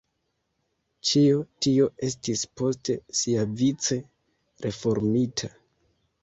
Ĉio tio estis poste siavice reformita.